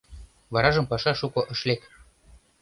Варажым паша шуко ыш лек.